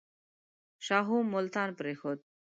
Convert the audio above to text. شاهو ملتان پرېښود.